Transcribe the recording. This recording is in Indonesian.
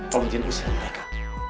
mungkin usir mereka